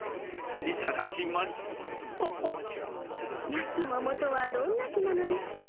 ナキモモとはどんな木なのでしょう。